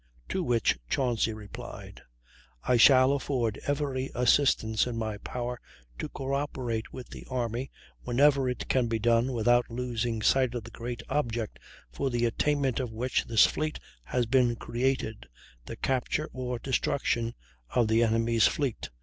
To which Chauncy replied: "I shall afford every assistance in my power to cooperate with the army whenever it can be done without losing sight of the great object for the attainment of which this fleet has been created, the capture or destruction of the enemy's fleet.